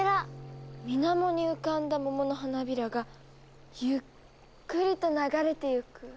水面に浮かんだ桃の花びらがゆっくりと流れてゆく。